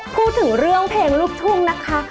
พูดถึงเรื่องเพลงลูกทุ่งนะคะ